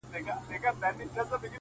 دلته هلته له خانانو سره جوړ وو!.